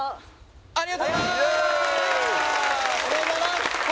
ありがとうございますとり天！